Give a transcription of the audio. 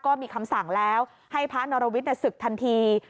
ก็มีคำสั่งแล้วให้พระนรวิทย์ศึกทันที